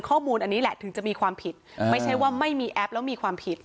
ข้อมูลอันนี้แหละถึงจะมีความผิดไม่ใช่ว่าไม่มีแอปแล้วมีความผิด